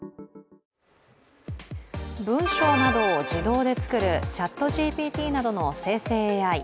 文章などを自動で作るＣｈａｔＧＰＴなどの生成ＡＩ。